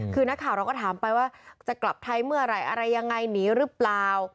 คือนักข่าวเราก็ถามไปว่าจะกลับไทยเมื่อไหร่อะไรยังไงหนีหรือเปล่า